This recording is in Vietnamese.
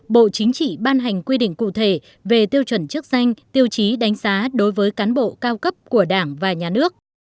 bộ chính trị ban hành quy định cụ thể về tiêu chuẩn chức danh tiêu chí đánh giá đối với cán bộ cao cấp của đảng và nhà nước